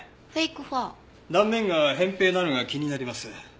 断面が扁平なのが気になります。